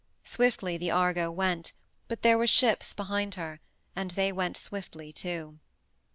Swiftly the Argo went, but there were ships behind her, and they went swiftly too.